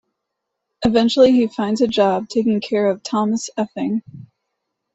Eventually he finds a job taking care of Thomas Effing.